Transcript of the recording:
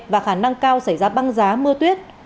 và khả năng cao xảy ra băng giá mưa tuyết